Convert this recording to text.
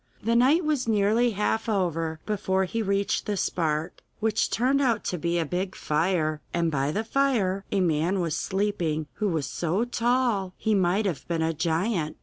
The night was nearly half over before he reached the spark, which turned out to be a big fire, and by the fire a man was sleeping who was so tall he might have been a giant.